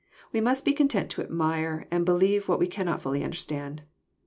We must be content to admire and believe what we cannot fdlly under stand.